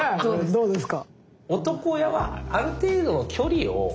どうですか？